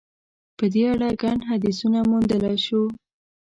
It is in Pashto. په دې اړه ګڼ حدیثونه موندلای شو.